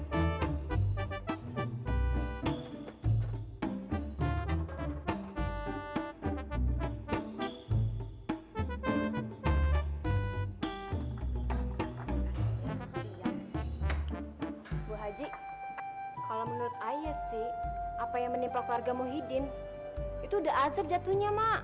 bu haji kalau menurut saya sih apa yang menimpa keluarga muhyiddin itu udah azab jatuhnya mak